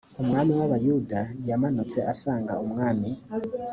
umwami w abayuda yamanutse asanga umwami